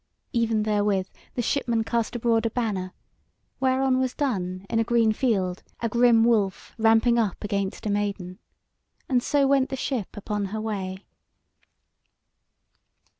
Even therewith the shipmen cast abroad a banner, whereon was done in a green field a grim wolf ramping up against a maiden, and so went the ship upon her way.